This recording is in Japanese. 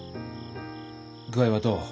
具合はどう？